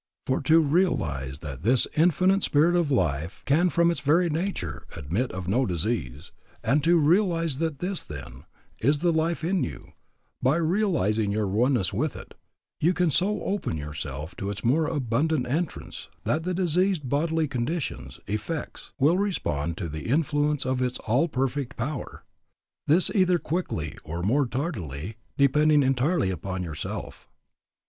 For to realize that this Infinite Spirit of Life can from its very nature admit of no disease, and to realize that this, then, is the life in you, by realizing your oneness with it, you can so open yourself to its more abundant entrance that the diseased bodily conditions effects will respond to the influences of its all perfect power, this either quickly or more tardily, depending entirely upon yourself.